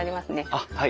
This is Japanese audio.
あっはい。